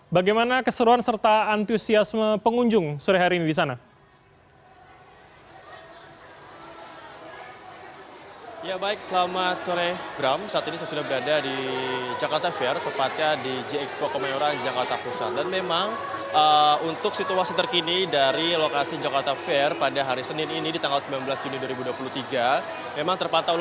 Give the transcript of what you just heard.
bagaimana keseruan serta antusiasme pengunjung sore hari ini di sana